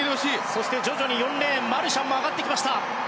そして徐々に４レーンマルシャンも上がってきました。